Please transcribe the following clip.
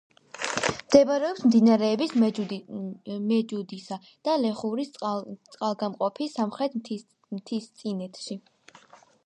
მდებარეობს მდინარეების მეჯუდისა და ლეხურის წყალგამყოფის სამხრეთ მთისწინეთში.